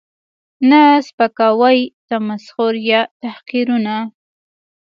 ، نه سپکاوی، تمسخر یا تحقیرونه